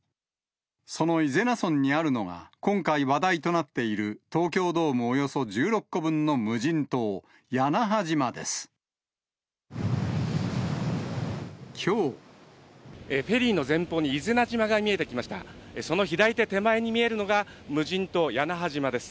その伊是名村にあるのが、今回、話題となっている東京ドームおよそ１６個分の無人島、屋那覇島です。